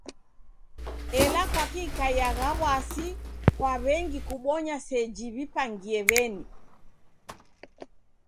Ela kwaki ikaiagha w'asi kwa w'engi kubonya seji w'ipangie w'eni?